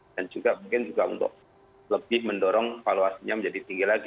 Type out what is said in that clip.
dan juga mungkin untuk lebih mendorong valuasinya menjadi tinggi lagi